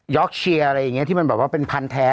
อกเชียร์อะไรอย่างนี้ที่มันแบบว่าเป็นพันธแท้